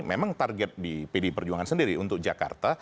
memang target di pd perjuangan sendiri untuk jakarta